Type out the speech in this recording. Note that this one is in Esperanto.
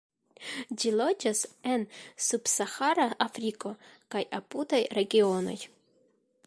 Ĝi loĝas en subsahara Afriko kaj apudaj regionoj.